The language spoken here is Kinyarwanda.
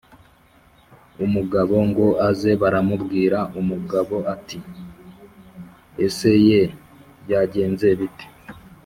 umugabo ngo aze barabimubwira, umugabo ati: "Ese ye, byagenze bite?